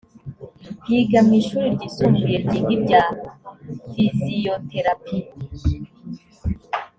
yiga mu ishuri ryisumbuye ryiga ibya fiziyoterapi